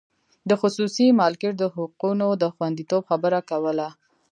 د خصوصي مالکیت د حقونو د خوندیتوب خبره کوله.